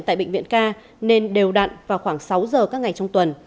tại bệnh viện ca nên đều đặn vào khoảng sáu giờ các ngày trong tuần